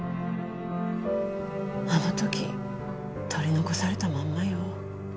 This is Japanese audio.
あの時取り残されたまんまよ。